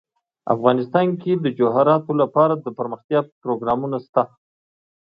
افغانستان کې د جواهرات لپاره دپرمختیا پروګرامونه شته.